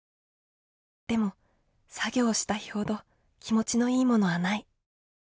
でも作業した日ほど気持ちのいいものはない。